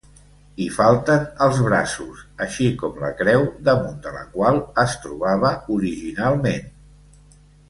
Hi falten els braços, així com la creu damunt de la qual es trobava originalment.